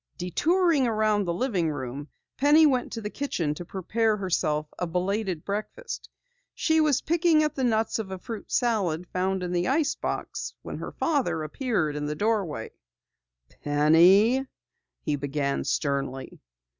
Detouring around the living room, Penny went to the kitchen to prepare herself a belated breakfast. She was picking at the nuts of a fruit salad found in the ice box when her father appeared in the doorway. "Penny " he began sternly.